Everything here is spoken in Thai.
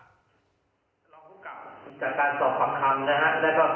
รอยละเนื่องแสงแห่งของคุณวิทยานะครับ